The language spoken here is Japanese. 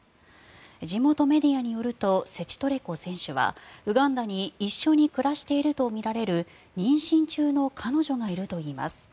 地元メディアによるとセチトレコ選手はウガンダに一緒に暮らしているとみられる妊娠中の彼女がいるといいます。